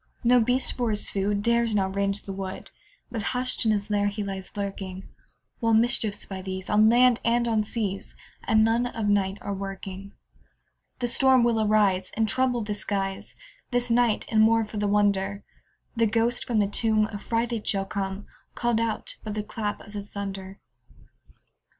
No beast, for his food, Dares now range the wood, But hush'd in his lair he lies lurking; While mischiefs, by these, On land and on seas, At noon of night are a working. The storm will arise, And trouble the skies This night; and, more for the wonder, The ghost from the tomb Affrighted shall come, Call'd out by the clap of the thunder.